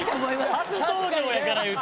初登場やからいうて。